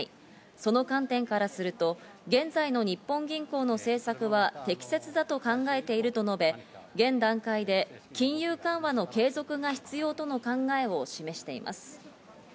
その観点からすると現在の日本銀行の政策は適切だと考えていると述べ、現段階で金融緩和の継続が必要との考えを示しています。